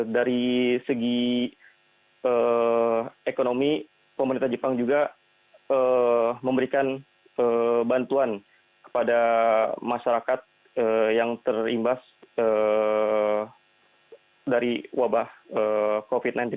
dari segi ekonomi pemerintah jepang juga memberikan bantuan kepada masyarakat yang terimbas dari wabah covid sembilan belas